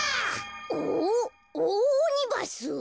おオオオニバス？